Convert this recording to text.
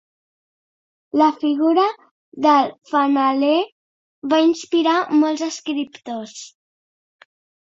La figura del fanaler va inspirar molts escriptors.